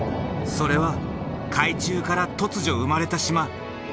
それは海中から突如生まれた島。